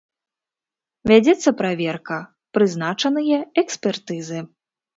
Вядзецца праверка, прызначаныя экспертызы.